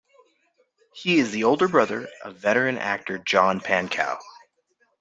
He is the older brother of veteran actor John Pankow.